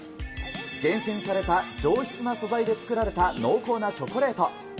厳選された上質な素材で作られた濃厚なチョコレート。